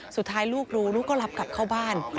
สุดท้ายลูกรู้ลูกก็รับกลับเข้าบ้าน